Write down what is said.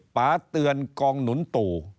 ปาเตือนกองหนุนตู่